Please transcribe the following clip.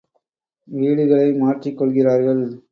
வீடுகளை மாற்றிக் கொள்கிறார்கள்.